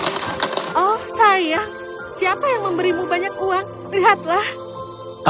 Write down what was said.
oh sayang siapa yang memberimu banyak uang lihatlah